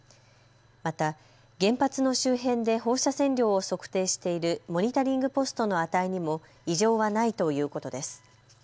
また原発の周辺で放射線量を測定しているモニタリングポストの値にも異常はないということです。